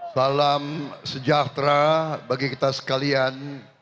salam sejahtera bagi kita sekalian